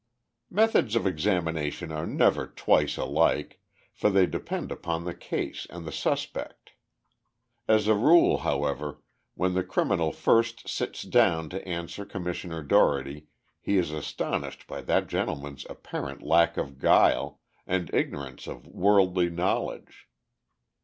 Methods of examination are never twice alike, for they depend upon the case and the suspect. As a rule, however, when the criminal first sits down to answer Commissioner Dougherty he is astonished by that gentleman's apparent lack of guile, and ignorance of worldly knowledge.